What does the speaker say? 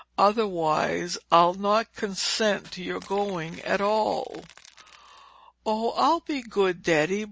Otherwise, I'll not consent to your going at all." "Oh, I'll be good, Daddy.